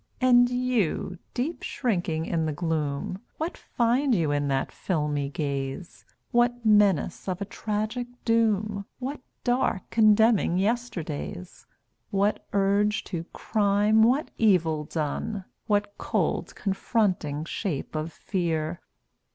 And You, deep shrinking in the gloom, What find you in that filmy gaze? What menace of a tragic doom? What dark, condemning yesterdays? What urge to crime, what evil done? What cold, confronting shape of fear?